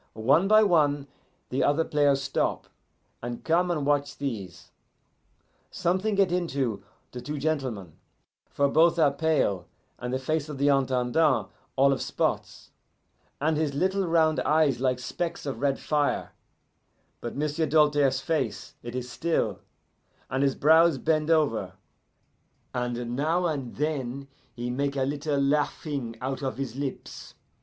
One by one the other players stop, and come and watch these. Something get into the two gentlemen, for both are pale, and the face of the Intendant all of spots, and his little round eyes like specks of red fire; but M'sieu' Doltaire's face, it is still, and his brows bend over, and now and then he make a little laughing out of his lips.